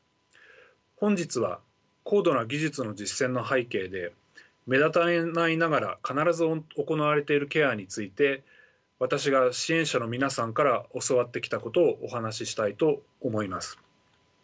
本日は高度な技術の実践の背景で目立たないながら必ず行われているケアについて私が支援者の皆さんから教わってきたことをお話ししたいと思います。